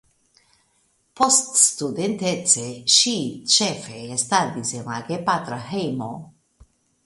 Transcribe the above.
Poststudentece ŝi ĉefe estadis en la gepatra hejmo.